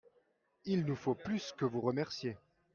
Il nous faut plus que vous remercier.